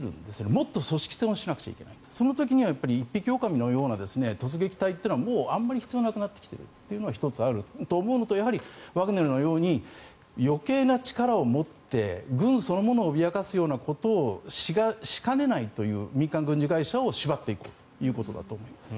もっと組織戦をしなくてはいけないその時には一匹おおかみのような突撃隊というのはもうあまり必要なくなってきているというのが１つあると思うのとあとはワグネルのように余計な力を持って軍そのものを脅かすようなことをしかねないという民間軍事会社を縛っていくということだと思います。